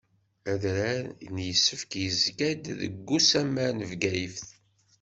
Adrar n Yisek yezga-d deg usammar n Bgayet.